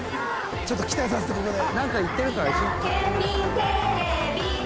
ちょっと期待させてここで。